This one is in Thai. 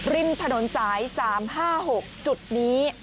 ริมถนนสาย๓๕๖จุดนี้